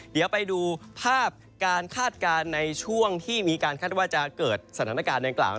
เดี๋ยวไปดูภาพการคาดการณ์ในช่วงที่มีการคาดว่าจะเกิดสถานการณ์ดังกล่าว